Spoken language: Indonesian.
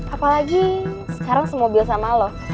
apalagi sekarang semua bel sama lo